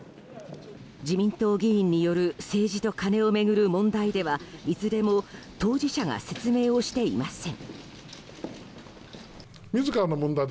自民党議員による政治とカネを巡る問題ではいずれも当事者が説明をしていません。